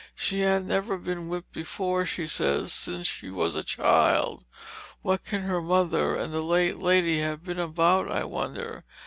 She hath never been whipped before, she says, since she was a child (what can her mother and the late lady have been about I wonder?)